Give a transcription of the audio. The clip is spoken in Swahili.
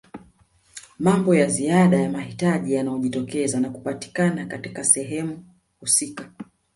Mambo ya ziada ya mahitaji yanayojitokeza na hupatikana katika sehemu husika